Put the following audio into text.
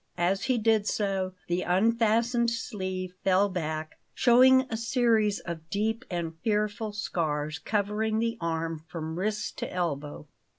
As he did so, the unfastened sleeve fell back, showing a series of deep and fearful scars covering the arm from wrist to elbow.